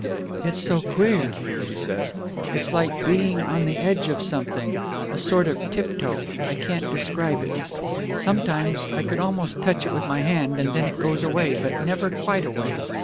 "It's so queer," she said. "It's like being on the edge of something a sort of tiptoe I can't describe it. Sometimes I could almost touch it with my hand, and then it goes away, but never quite away.